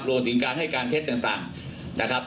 รวมถึงการให้การเท็จต่างนะครับ